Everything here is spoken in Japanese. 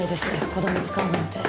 子供を使うなんて。